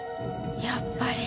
やっぱり。